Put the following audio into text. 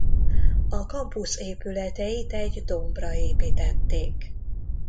A campus épületeit egy dombra építették.